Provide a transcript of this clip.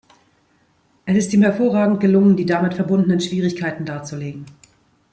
Es ist ihm hervorragend gelungen, die damit verbundenen Schwierigkeiten darzulegen.